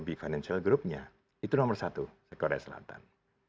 kb financial groupnya itu nomor satu di korea selatan